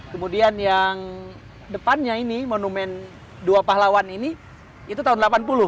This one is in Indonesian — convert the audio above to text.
kemudian yang depannya ini monumen dua pahlawan ini itu tahun delapan puluh